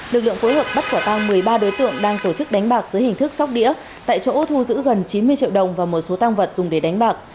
lực lượng phối hợp bắt quả tăng một mươi ba đối tượng đang tổ chức đánh bạc dưới hình thức sóc đĩa tại chỗ thu giữ gần chín mươi triệu đồng và một số tăng vật dùng để đánh bạc